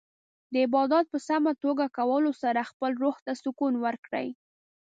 د عبادت په سمه توګه کولو سره خپل روح ته سکون ورکړئ.